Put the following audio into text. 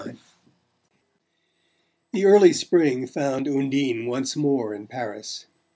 XXIX The early spring found Undine once more in Paris.